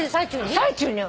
最中によ。